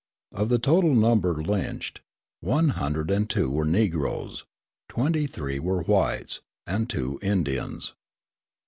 Of the total number lynched, one hundred and two were Negroes, twenty three were whites, and two Indians.